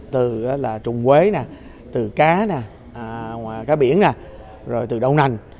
từ trùng quế từ cá cá biển rồi từ đậu nành